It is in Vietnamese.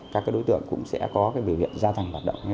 các đối tượng cũng sẽ có biểu hiện gia tăng hoạt động